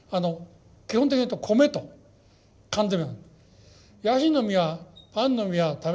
基本的に言うと米と缶詰。